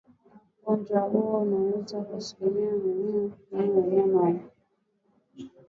Ugonjwa huu unaweza kuua asilimia mia ya wanyama wachanga